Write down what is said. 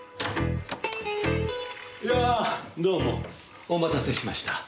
やあどうもお待たせしました。